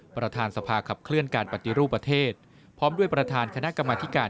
ประธานสภาขับเคลื่อนการปฏิรูปประเทศพร้อมด้วยประธานคณะกรรมธิการ